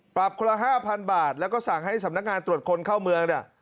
ปรับคนละ๕๐๐บาทแล้วก็สั่งให้สำนักงานตรวจคนเข้าเมืองเนี่ย